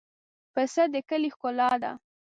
پسه د کلي ښکلا ده.